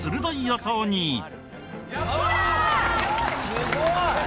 すごい！